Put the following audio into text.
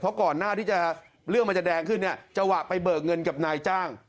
เพราะก่อนหน้าที่เรื่องมันจะแดงขึ้นเนี่ยจังหวะไปเบิกเงินกับนายจ้าง